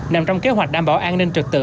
nằm trong kế hoạch đảm bảo an ninh trực tự